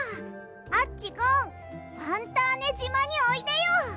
アッチゴンファンターネじまにおいでよ！